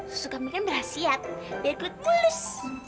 susu kambing kan berhasiat biar kulit mulus